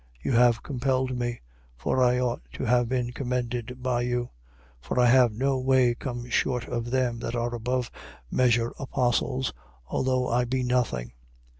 You have compelled me: for I ought to have been commended by you. For I have no way come short of them that are above measure apostles, although I be nothing.